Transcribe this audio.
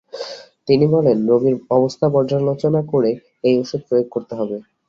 তিনি বলেন, রোগীর অবস্থা পর্যালোচনা করে এই ওষুধ প্রয়োগ করতে হবে।